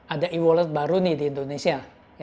ada e wallet baru nih di indonesia